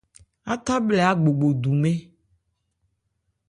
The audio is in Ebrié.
Átha bhlɛ ágbogɔn dumɛ́n.